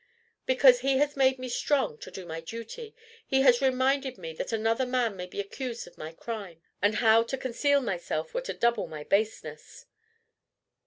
"Because he has made me strong to do my duty. He has reminded me that another man may be accused of my crime, and now to conceal myself were to double my baseness."